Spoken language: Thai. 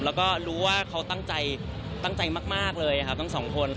แล้วก็รู้ว่าเขาตั้งใจตั้งใจมากเลยครับทั้งสองคน